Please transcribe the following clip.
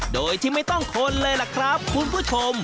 โดยที่ไม่ต้องคนเลยล่ะครับคุณผู้ชม